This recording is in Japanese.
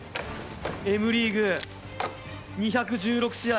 Ｍリーグ２１６試合。